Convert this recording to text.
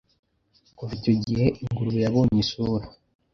Kuva icyo gihe ingurube yabonye isura